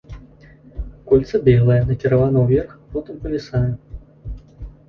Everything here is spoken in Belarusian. Кольца белае, накіравана ўверх, потым павісае.